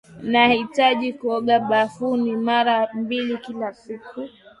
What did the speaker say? Ninahitaji kuoga bafuni mara mbili kila siku